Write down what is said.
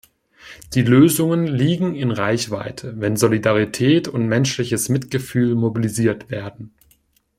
Die Lösungen liegen in Reichweite, wenn Solidarität und menschliches Mitgefühl mobilisiert werden.